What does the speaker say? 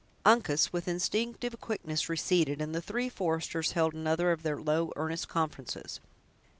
Uncas, with instinctive quickness, receded, and the three foresters held another of their low, earnest conferences.